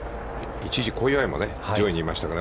一時小祝も上位にいますから。